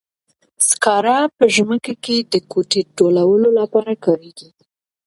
سکاره په ژمي کې د کوټې تودولو لپاره کاریږي.